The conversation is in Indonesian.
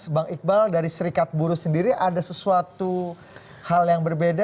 bang iqbal dari serikat buruh sendiri ada sesuatu hal yang berbeda